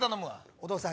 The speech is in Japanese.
お父さん